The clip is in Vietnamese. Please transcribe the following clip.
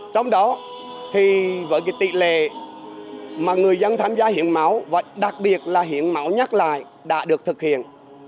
trong đó thì với tỷ lệ mà người dân tham gia hiến máu và đặc biệt là hiến máu nhắc lại đã được thực hiện